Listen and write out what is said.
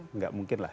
enggak mungkin lah